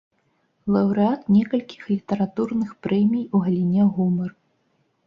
Лаўрэат некалькіх літаратурных прэмій у галіне гумару.